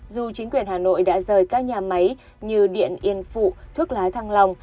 dù chính quyền hà nội đã rời các nhà máy như điện yên phụ thuốc lá thăng long